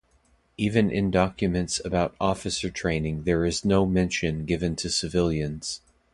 Even in documents about officer training there is no mention given to civilians.